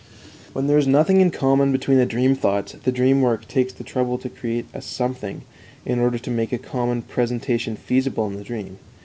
When there is nothing in common between the dream thoughts, the dream work takes the trouble to create a something, in order to make a common presentation feasible in the dream.